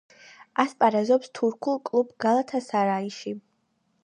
ასპარეზობს თურქულ კლუბ „გალათასარაიში“.